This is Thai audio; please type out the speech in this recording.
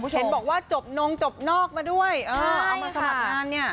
เห็นบอกว่าจบนงจบนอกมาด้วยเอามาสมัครงานเนี่ย